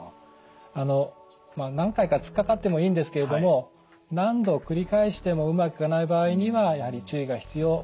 あのまあ何回か突っかかってもいいんですけれども何度繰り返してもうまくいかない場合にはやはり注意が必要。